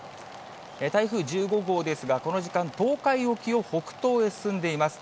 台風１５号ですが、この時間、東海沖を北東へ進んでいます。